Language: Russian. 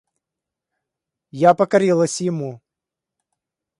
Я покорилась ему.